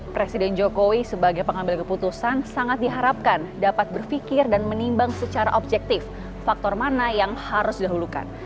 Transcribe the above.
presiden jokowi sebagai pengambil keputusan sangat diharapkan dapat berpikir dan menimbang secara objektif faktor mana yang harus didahulukan